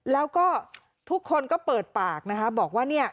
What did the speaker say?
แล้วก็ทุกคนก็เปิดปากนะคะบอกว่าเนี่ย